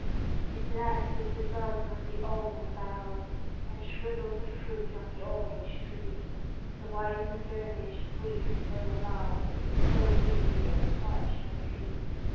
It blasted the buds on the almond bough, And shrivelled the fruit on the orange tree; The wizened dervish breathed no vow, So weary and parched was he.